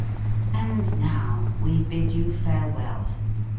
And now we bid you farewell.